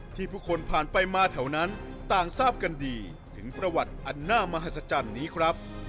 ผู้คนผ่านไปมาแถวนั้นต่างทราบกันดีถึงประวัติอันหน้ามหัศจรรย์นี้ครับ